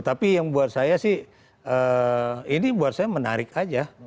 tapi yang buat saya sih ini buat saya menarik aja